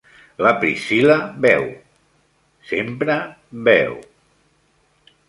La Priscilla beu, sempre beu.